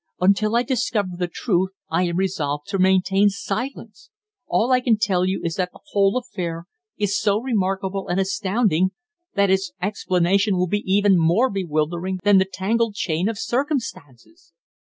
"Until I discover the truth I am resolved to maintain silence. All I can tell you is that the whole affair is so remarkable and astounding that its explanation will be even more bewildering than the tangled chain of circumstances."